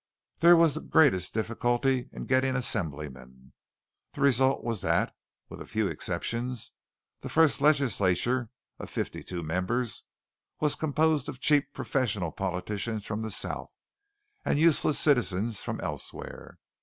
There was the greatest difficulty in getting assemblymen. The result was that, with few exceptions, the first legislature of fifty two members was composed of cheap professional politicians from the South, and useless citizens from elsewhere.